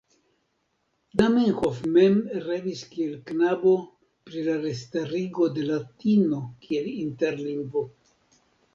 Zamenhof mem revis kiel knabo pri la restarigo de latino kiel interlingvo.